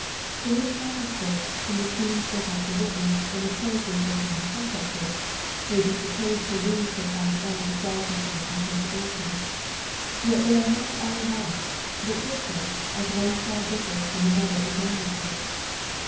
Police magistrates, from the scenes they have to witness and the characters they come in contact with, may be supposed to lose the fine edge of delicacy and sensibility : yet they are not all alike, but differ, as one star differs from another in magni tude.